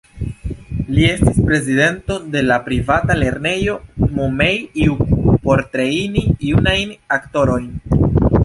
Li estis prezidento de la privata lernejo "Mumei-juku" por trejni junajn aktorojn.